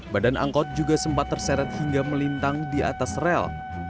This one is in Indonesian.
badan angkot juga sempat terseret hingga melintang di atas rel